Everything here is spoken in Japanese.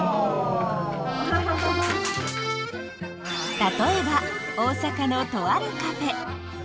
例えば大阪のとあるカフェ。